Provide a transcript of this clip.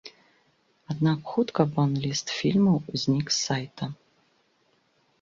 Аднак хутка бан-ліст фільмаў знік з сайта.